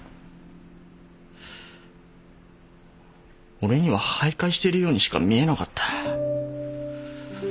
俺には徘徊してるようにしか見えなかった。